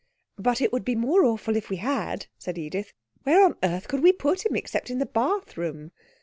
'But it would be more awful if we had,' said Edith. 'Where on earth could we put him except in the bathroom?'